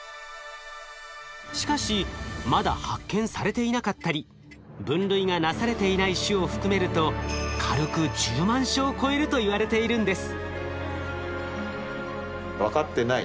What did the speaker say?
しかしまだ発見されていなかったり分類がなされていない種を含めると軽く１０万種を超えるといわれているんです。